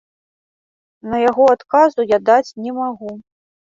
На яго адказу я даць не магу.